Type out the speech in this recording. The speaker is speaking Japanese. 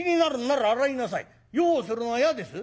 用をするのが嫌です？